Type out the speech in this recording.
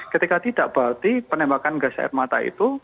ketika tidak berarti penembakan gas air mata itu